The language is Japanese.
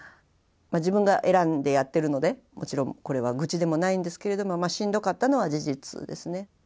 自分が選んでやってるのでもちろんこれは愚痴でもないんですけれどもしんどかったのは事実ですね。